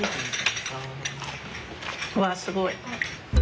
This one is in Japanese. うわすごい。